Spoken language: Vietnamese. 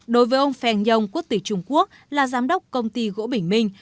đối với ông phèn nhông quốc tỷ trung quốc là giám đốc công ty gỗ bình minh